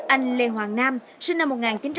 anh lê hoàng nam sinh năm một nghìn chín trăm tám mươi